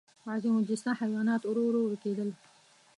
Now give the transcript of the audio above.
عظیم الجثه حیوانات ورو ورو ورکېدل.